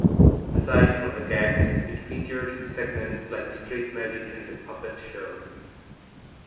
Aside from the gags, it featured segments like street magic and a puppet show.